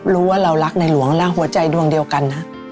รู้ว่าเรารักในหลวงและหัวใจดวงเดียวกันนะ